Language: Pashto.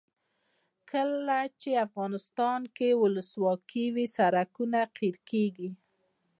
کله چې افغانستان کې ولسواکي وي سړکونه قیر کیږي.